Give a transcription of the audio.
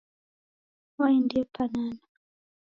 Waendie panana.